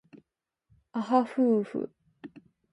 あはふうふ